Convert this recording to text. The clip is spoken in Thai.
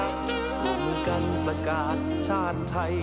พวกมันกันประกาศชาติไทย